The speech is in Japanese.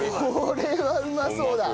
これはうまそうだ！